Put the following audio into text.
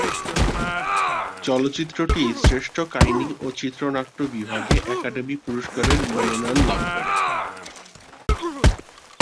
চলচ্চিত্রটি শ্রেষ্ঠ কাহিনি ও চিত্রনাট্য বিভাগে একাডেমি পুরস্কারের মনোনয়ন লাভ করে।